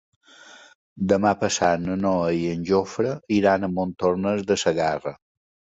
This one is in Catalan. Demà passat na Noa i en Jofre iran a Montornès de Segarra.